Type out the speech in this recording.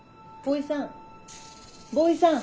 ボウイさん。